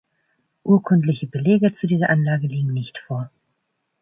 Urkundliche Belege zu dieser Anlage liegen nicht vor.